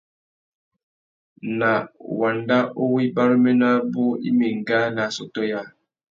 Na wanda uwú ibaruménô abú i mà enga nà assôtô yâā.